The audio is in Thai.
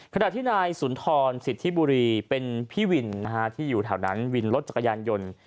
ขณะที่นายสุนทรศิษฐ์ที่บุรีเป็นพี่วินทร์นะฮะที่อยู่แถวนั้นวินรถจักรยานหย่น